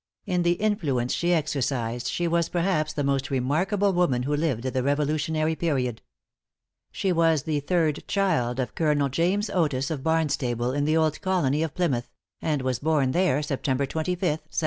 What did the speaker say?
In the influence she exercised, she was perhaps the most remarkable woman who lived at the Revolutionary period. She was the third child of Colonel James Otis, of Barnstable, in the old colony of Plymouth; and was born there, September 25th, 1728.